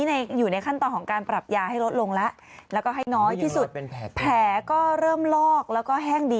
อ้าวตายแล้ว